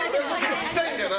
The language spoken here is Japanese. いきたいんだよな